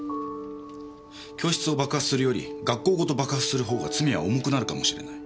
教室を爆破するより学校ごと爆破するほうが罪は重くなるかもしれない。